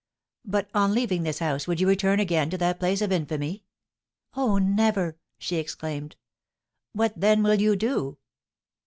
'But, on leaving this house, would you return again to that place of infamy?' 'Oh, never!' she exclaimed. 'What, then, will you do?'